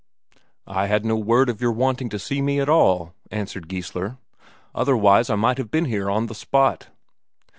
"I had no word of your wanting to see me at all," answered Geissler, "otherwise I might have been here on the spot."